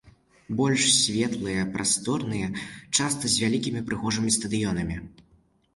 Больш светлыя, прасторныя, часта з вялікімі і прыгожымі стадыёнамі.